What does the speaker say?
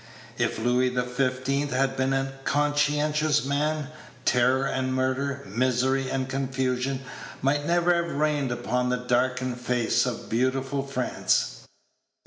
If Louis XV had been a conscientious man, terror and murder, misery and confusion, might never have reigned upon the darkened face of beautiful France.